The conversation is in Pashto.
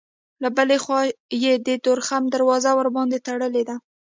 له بلې خوا یې د تورخم دروازه ورباندې تړلې ده.